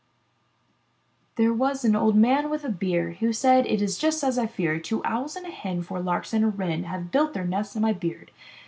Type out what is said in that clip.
'' There was an old man with a beard Who said, ''It is just as I feared! Two owls and a hen, four larks and a wren, Have all built their nests in my beard!